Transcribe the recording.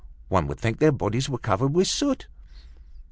One would think their bodies were covered with soot."